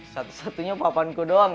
satu satunya papanku doang